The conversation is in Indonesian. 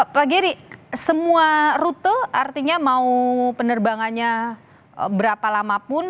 pak geri semua rute artinya mau penerbangannya berapa lamapun